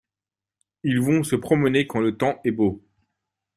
Ils vont se promener quand le temps est beau.